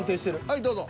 はいどうぞ。